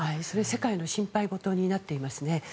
世界の心配事になっていますね。